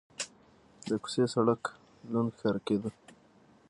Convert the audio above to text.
د کوڅې سړک لوند ښکاره کېده.